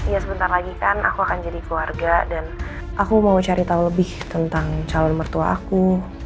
ya sebentar lagi kan aku akan jadi keluarga dan aku mau cari tahu lebih tentang calon mertua aku